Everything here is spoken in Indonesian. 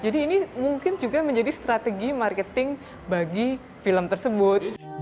ini mungkin juga menjadi strategi marketing bagi film tersebut